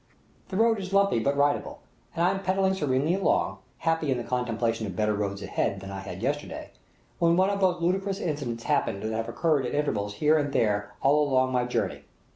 The road is lumpy but ridable, and I am pedalling serenely along, happy in the contemplation of better roads ahead than I had yesterday, when one of those ludicrous incidents happen that have occurred at intervals here and there all along my journey.